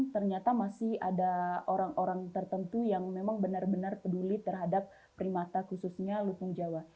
ternyata masih ada orang orang tertentu yang memang benar benar mencari perawat lutung jawa